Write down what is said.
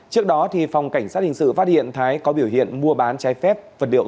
trước đó phòng cảnh sát hình sự phát hiện thái có biểu hiện mua bán trái phép vật liệu